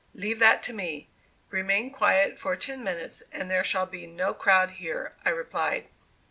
"Leave that to me. Remain quiet for ten minutes, and there shall be no crowd here," I replied.